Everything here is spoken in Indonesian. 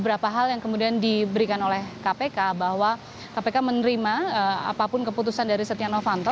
beberapa hal yang kemudian diberikan oleh kpk bahwa kpk menerima apapun keputusan dari setia novanto